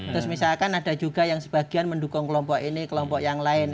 terus misalkan ada juga yang sebagian mendukung kelompok ini kelompok yang lain